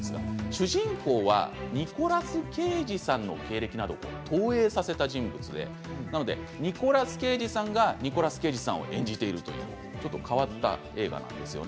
主人公はニコラス・ケイジさんの経歴などを投影させた人物でニコラス・ケイジさんがニコラス・ケイジさんを演じているというちょっと変わった映画なんです。